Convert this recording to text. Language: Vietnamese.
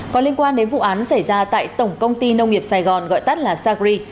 có liên quan đến vụ án xảy ra tại tổng công ty nông nghiệp sài gòn gọi tắt là sacri